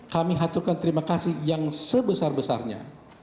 kami haturkan terima kasih yang sebesar besarnya